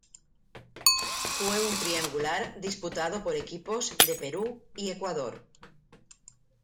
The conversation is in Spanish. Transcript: Fue un triangular disputado por equipos de Perú y Ecuador.